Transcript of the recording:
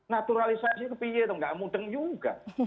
naturalisasi itu kebijak tidak mudeng juga